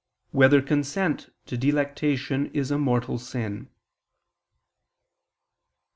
8] Whether Consent to Delectation Is a Mortal Sin?